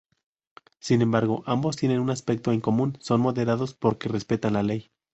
Sin embargo, ambos tienen un aspecto en común: son moderados porque respetan la ley.